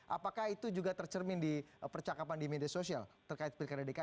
apakah itu juga tercermin di percakapan di media sosial terkait pilkada dki